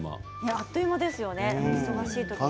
あっという間ですよね忙しい時に。